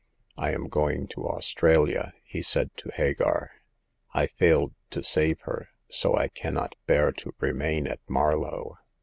" I am going to Australia," he said to Hagar. " I failed to save her, so I cannot bear to remain at Marlow.